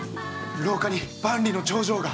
廊下に万里の長城が。